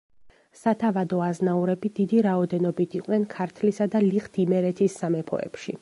სათავადო აზნაურები დიდი რაოდენობით იყვნენ ქართლისა და ლიხთ-იმერეთის სამეფოებში.